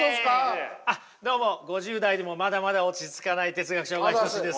あっどうも５０代でもまだまだ落ち着かない哲学者小川仁志です。